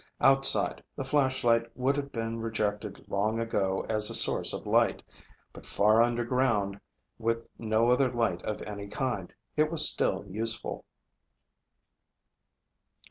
Outside, the flashlight would have been rejected long ago as a source of light. But far underground, with no other light of any kind, it was still useful.